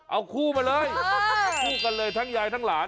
เอาคู่มาเลยคู่กันเลยทั้งยายทั้งหลาน